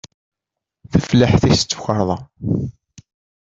Tafellaḥt-is d tukarḍa.